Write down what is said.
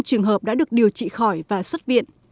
hơn sáu mươi trường hợp đã được điều trị khỏi và xuất viện